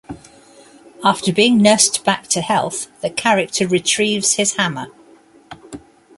After being nursed back to health, the character retrieves his hammer.